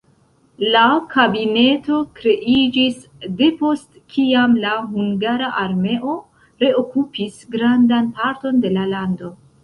La kabineto kreiĝis depost kiam la hungara armeo reokupis grandan parton de la lando.